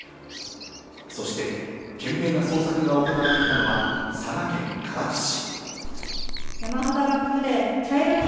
そして懸命な捜索が行われていたのは佐賀県唐津市。